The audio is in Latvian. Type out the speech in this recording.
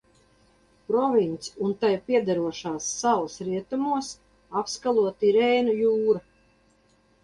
Provinci un tai piederošās salas rietumos apskalo Tirēnu jūra.